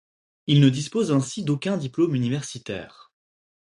Il ne dispose ainsi d'aucun diplôme universitaire.